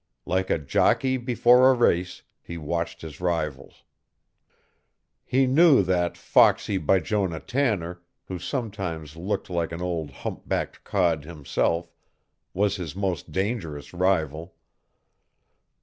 Like a jockey before a race, he watched his rivals. He knew that foxy Bijonah Tanner, who sometimes looked like an old hump backed cod himself, was his most dangerous rival.